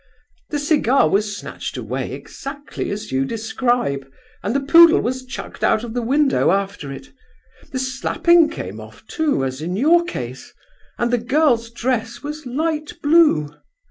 The cigar was snatched away exactly as you describe, and the poodle was chucked out of the window after it. The slapping came off, too, as in your case; and the girl's dress was light blue!"